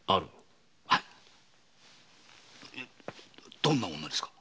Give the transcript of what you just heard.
どんな女ですか？